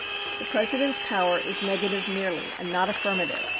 The President's power is negative merely, and not affirmative.